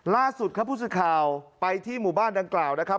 ล่าสุดครับผู้สื่อข่าวไปที่หมู่บ้านดังกล่าวนะครับ